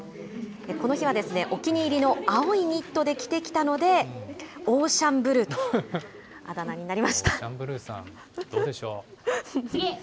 この日は、お気に入りの青いニットで着てきたので、オーシャンブルーというあだ名になりました。